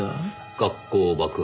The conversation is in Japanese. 「学校爆破。